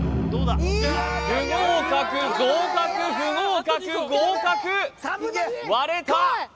不合格合格不合格合格割れた